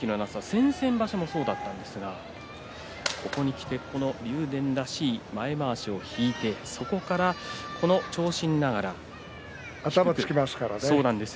先々場所もそうだったんですがここにきて竜電らしい前まわしを引いてそこから長身ながら。